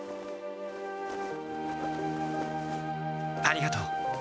ありがとう。